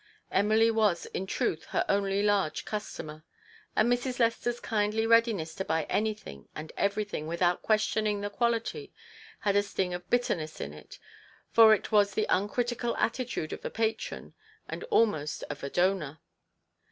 Emily was, in truth, her only large customer ; and Mrs. Lester's kindly readi ness to buy anything and everything without questioning the quality had a sting of bitter ness in it, for it was the uncritical attitude of a patron, and almost of a donor.